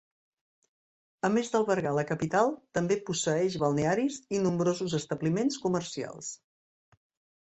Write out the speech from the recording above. A més d'albergar la capital també posseeix balnearis i nombrosos establiments comercials.